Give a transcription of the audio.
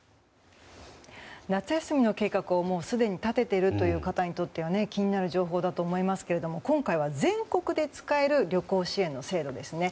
夏休みの計画をもうすでに立てている方にとっては気になる情報だと思いますけど今回は、全国で使える旅行支援の制度ですね。